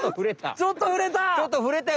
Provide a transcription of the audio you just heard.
ちょっとふれたよ